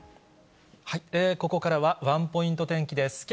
ここからは、ワンポイント天気です。